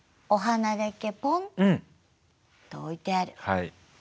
はい。